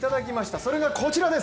それがこちらです！